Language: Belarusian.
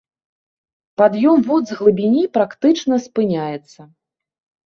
Пад'ём вод з глыбіні практычна спыняецца.